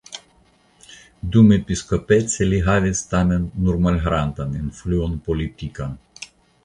Dumepiskopece li havis tamen nur malgrandan influon politikan.